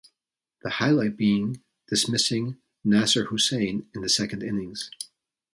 The highlight being dismissing Nasser Hussain in the second innings.